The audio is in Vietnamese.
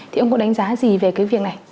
thì ông có đánh giá gì về cái việc này